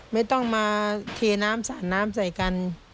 ไม่ต้องมาเทน้ำสาดน้ำใส่กัน